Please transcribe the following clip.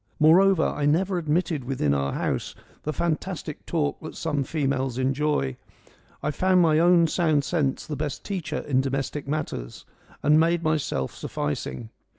Moreover, I never admitted within our house the fantastic talk that some females enjoy : I found my own sound sense the best teacher in domestic matters, and made myself sufficing.